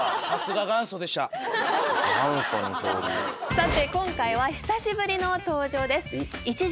さて今回は久しぶりの登場です。